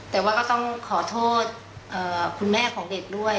แต่ว่าก็ต้องขอโทษคุณแม่ของเด็กด้วย